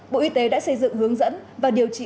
bộ y tế đã xây dựng hướng dẫn và điều trị